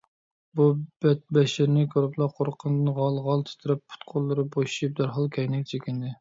بۇ بەتبەشىرىنى كۆرۈپلا قورققىنىدىن غال - غال تىترەپ، پۇت - قوللىرى بوشىشىپ دەرھال كەينىگە چېكىندى.